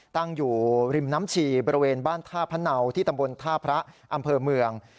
ตั้งอยู่ริมน้ำชีบริเวณบ้านท่าพะเนาที่ตำบลท่าพระอำเภอเมือง